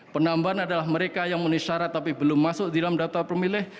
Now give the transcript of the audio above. penambahan adalah mereka yang menisarat tapi belum masuk di dalam daftar pemilih